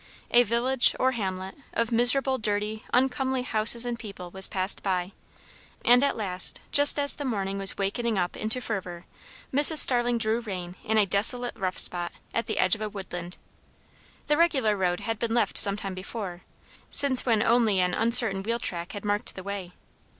A village, or hamlet, of miserable, dirty, uncomely houses and people, was passed by; and at last, just as the morning was wakening up into fervour, Mrs. Starling drew rein in a desolate rough spot at the edge of a woodland. The regular road had been left some time before, since when only an uncertain wheel track had marked the way.